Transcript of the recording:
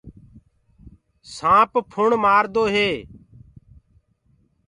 سآنپ ڦُڻ مآردو هي۔